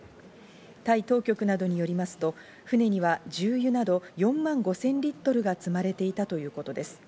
タイ当局などによりますと、船には重油など４万５０００リットルが積まれていたということです。